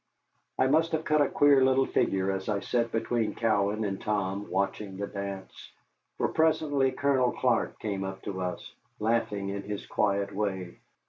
I must have cut a queer little figure as I sat between Cowan and Tom watching the dance, for presently Colonel Clark came up to us, laughing in his quiet way.